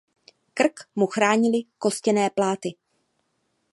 Krk mu chránily kostěné pláty.